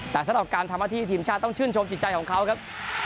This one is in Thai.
แต่สำหรับการทำหน้าที่ทีมชาติต้องชื่นชมจิตใจของเขาครับ